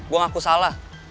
gue ngaku salah